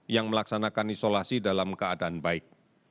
yang melaksanakan isolasi dalam keadaan baik